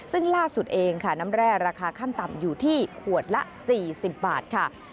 ซึ่งล่าสุดเองค่ะน้ำแร่ราคาขั้นต่ำอยู่ที่ขวดละ๔๐บาทค่ะ